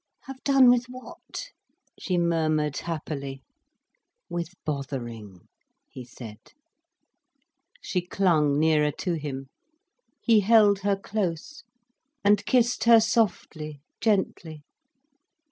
"Have done with what?" she murmured, happily. "With bothering," he said. She clung nearer to him. He held her close, and kissed her softly, gently.